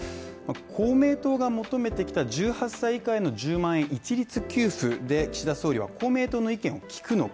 公明党が求めてきた１８歳以下への１０万円一律給付で岸田総理は公明党の意見を聞くのか